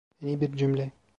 Yeni bir cümle.